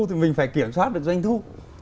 thì mình phải kiểm soát được danh thu